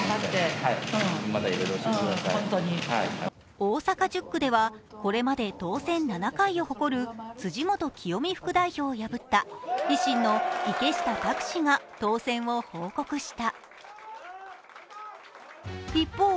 大阪１０区ではこれまで当選７回を誇る辻元清美副代表を破った維新の池下卓氏が当選を報告した。